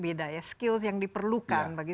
beda ya skills yang diperlukan bagi